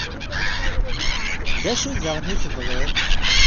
D acu daɣen i tebɣiḍ?